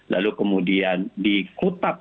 lalu kemudian dikutap